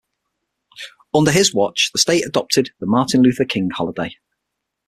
Under his watch, the state adopted the Martin Luther King holiday.